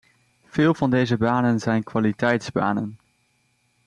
Veel van deze banen zijn kwaliteitsbanen.